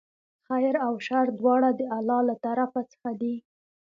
خیر او شر دواړه د الله له طرفه څخه دي.